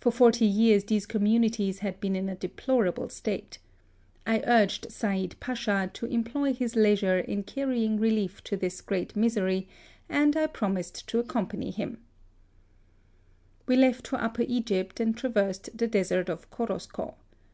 For forty years these communities had been in a deplorable state. I urged Said Pacha to employ his leisure in carrying relief to this great misery, and I promised to accompany hiuL We left for Upper Egypt, and traversed the desert of Korosko.